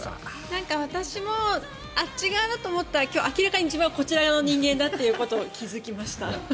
私もあっち側だと思ったら明らかにこっち側の人間だということに気付きました。